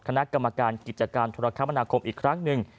คณะกรรมการกิจการธุรกรรมนาคมอีกครั้งหนึ่ง